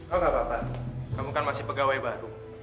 oh nggak bapak kamu kan masih pegawai baru